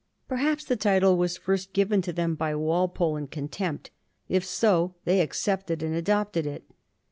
Perhaps the title was first given to them by Walpole, in contempt ; if so, they ticcepted and adopted it.